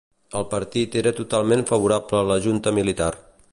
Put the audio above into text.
El partit era totalment favorable a la junta militar